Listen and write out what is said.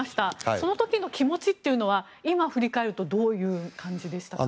その時の気持ちというのは今、振り返るとどういう感じでしたか？